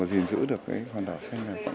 duyên giữ được cái hoàn đảo xanh này